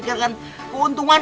di atas k graph